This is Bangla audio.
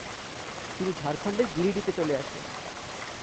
তিনি ঝাড়খণ্ডের গিরিডিতে চলে আসেন।